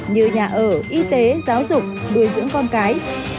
như nhà ở y tế giáo dục nuôi dưỡng con cái